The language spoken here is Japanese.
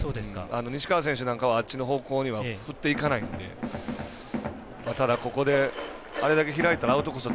西川選手なんかはあっちの方向には振っていかないのでここで、あれだけ開いたらアウトコース